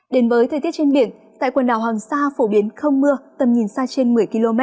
đến với thời tiết trên biển tại quần đảo hoàng sa phổ biến không mưa tầm nhìn xa trên một mươi km